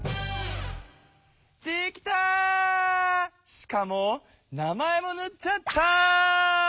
しかも名前もぬっちゃった！